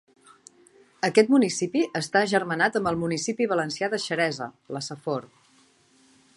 Aquest municipi està agermanat amb el municipi valencià de Xeresa -la Safor-.